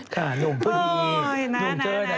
ข้าโยมพูดอีกโอ๊ยน่า